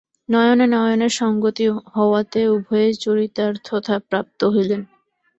নয়নে নয়নে সঙ্গতি হওয়াতে উভয়ে চরিতার্থতা প্রাপ্ত হইলেন।